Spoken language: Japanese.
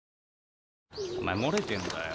お前漏れてんだよ。